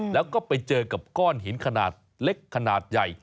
แล้วก็ไปเจอกับก้อนหินขนาดเล็กขนาดใหญ่